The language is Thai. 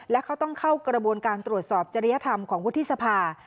และเขาต้องเข้ากระบวนการตรวจสอบจริยธรรมของวุฒิสภา